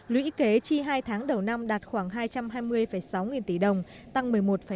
lũy kế chi hai tháng đầu năm đạt khoảng hai trăm hai mươi sáu nghìn tỷ đồng tăng một mươi một năm